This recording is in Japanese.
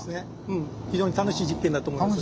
非常に楽しい実験だと思います。